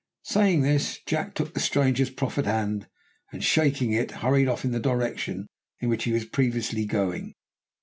Saying this, Jack took the stranger's proffered hand, and shaking it, hurried off in the direction in which he was previously going.